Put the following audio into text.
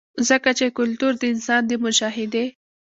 ځکه چې کلتور د انسان د مشاهدې